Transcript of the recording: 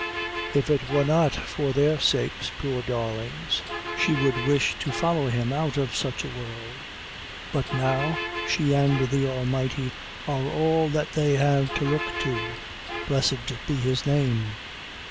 If it were not for their sakes, poor darlings, she would I wish to follow him out of such a world; but now she and the Almighty are all that they have to look to, blessed be His name!"